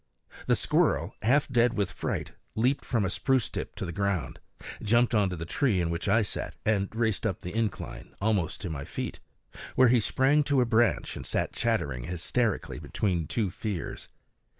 The squirrel, half dead with fright, leaped from a spruce tip to the ground, jumped onto the tree in which I sat, and raced up the incline, almost to my feet, where he sprang to a branch and sat chattering hysterically between two fears.